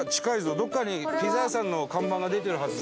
どこかにピザ屋さんの看板が出てるはずだ。